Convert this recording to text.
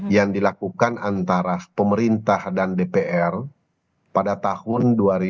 yang dilakukan antara pemerintah dan dpr pada tahun dua ribu dua puluh